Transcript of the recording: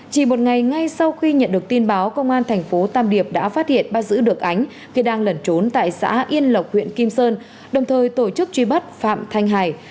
chỉ một ngày ngay sau khi nhận được tin báo công an thành phố tam điệp đã phát hiện bắt giữ được ánh khi đang lẩn trốn tại xã yên lộc huyện kim sơn đồng thời tổ chức truy bắt phạm thanh hải